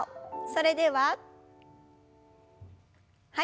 それでははい。